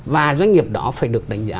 và doanh nghiệp đó phải được đánh giá